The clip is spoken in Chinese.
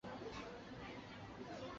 许允人。